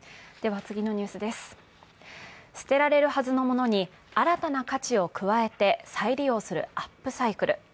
捨てられるはずのものに新たな価値を加えて再利用するアップサイクル。